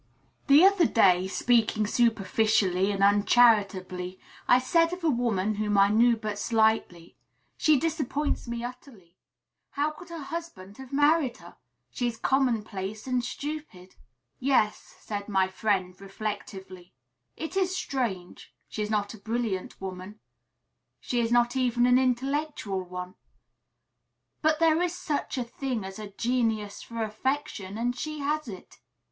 The other day, speaking superficially and uncharitably, I said of a woman, whom I knew but slightly, "She disappoints me utterly. How could her husband have married her? She is commonplace and stupid." "Yes," said my friend, reflectively; "it is strange. She is not a brilliant woman; she is not even an intellectual one; but there is such a thing as a genius for affection, and she has it.